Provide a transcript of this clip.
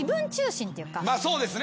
まあそうですね。